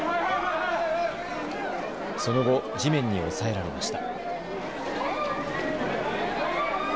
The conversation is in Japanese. その後、地面に押さえられました。